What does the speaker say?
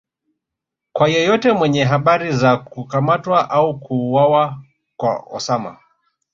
kwa yeyote mwenye habari za kukamatwa au kuuwawa kwa Osama